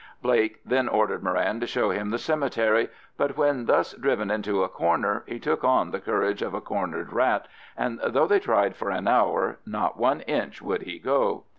Blake then ordered Moran to show him the cemetery, but when thus driven into a corner he took on the courage of a cornered rat, and though they tried for an hour not one inch would he go.